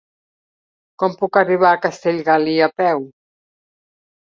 Com puc arribar a Castellgalí a peu?